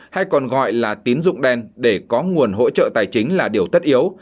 hay còn gọi là tín dụng đen để có nguồn hỗ trợ tài chính là điều tất yếu